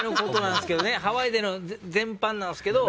ハワイでの全般なんですけど。